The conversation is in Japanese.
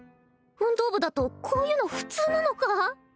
運動部だとこういうの普通なのか？